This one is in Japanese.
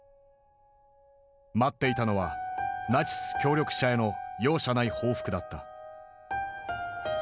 待っていたのはナチス協力者への容赦ない報復だった。